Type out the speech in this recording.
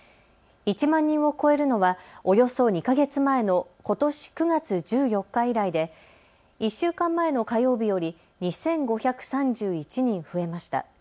１万人を超えるのはおよそ２か月前のことし９月１４日以来で１週間前の火曜日より２５３１人増えました。